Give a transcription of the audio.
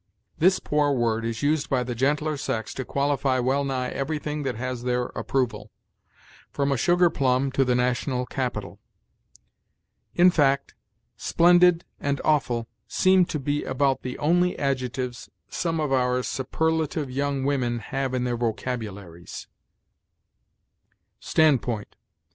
This poor word is used by the gentler sex to qualify well nigh everything that has their approval, from a sugar plum to the national capitol. In fact, splendid and awful seem to be about the only adjectives some of our superlative young women have in their vocabularies. STANDPOINT.